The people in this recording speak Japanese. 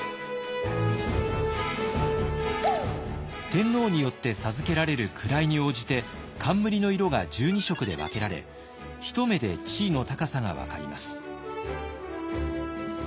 天皇によって授けられる位に応じて冠の色が１２色で分けられ一目で地位の高さが分かります。